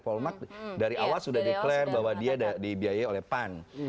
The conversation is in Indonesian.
paul mark dari awal sudah deklar bahwa dia dibiayai oleh pan